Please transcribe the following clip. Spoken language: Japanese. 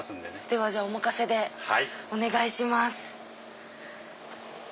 ではじゃお任せでお願いします。